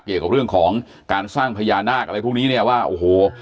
เกี่ยวกับเรื่องของการสร้างพญานาคอะไรพวกนี้เนี่ยว่าโอ้โห